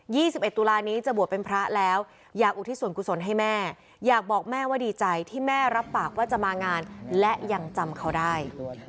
ี่สิบเอ็ดตุลานี้จะบวชเป็นพระแล้วอยากอุทิศส่วนกุศลให้แม่อยากบอกแม่ว่าดีใจที่แม่รับปากว่าจะมางานและยังจำเขาได้